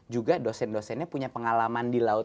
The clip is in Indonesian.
juga dosen dosennya punya pengalaman di laut